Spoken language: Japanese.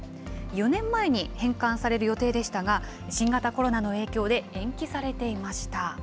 ４年前に返還される予定でしたが、新型コロナの影響で延期されていました。